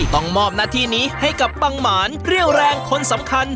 ต้องมอบหน้าที่นี้ให้กับบังหมานเรี่ยวแรงคนสำคัญ